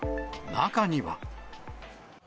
中には。